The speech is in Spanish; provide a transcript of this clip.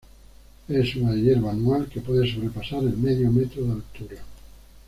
Es una hierba anual, que puede sobrepasar el medio metro de altura.